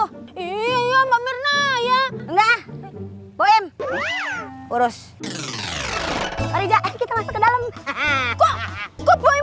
kita masuk ke dalam dong